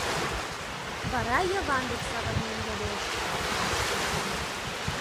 Вара Йыван дек савырнен йодеш: